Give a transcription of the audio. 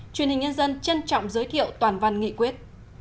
truyền hình nhân dân trân trọng giới thiệu toàn văn nghị quyết